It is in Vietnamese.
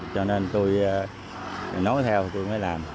cho nên tôi nói theo tôi mới làm